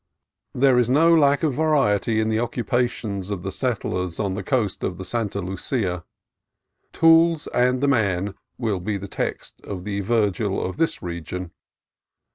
There is no lack of variety in the occupations of the settlers on the coast of the Santa Lucia. "Tools and the man" will be the text of the Virgil of this region.